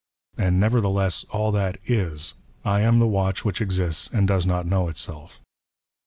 And nevertheless all that is^ I am the watch which " exists and does not know itself.